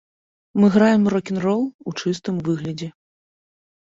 Мы граем рок-н-рол у чыстым выглядзе.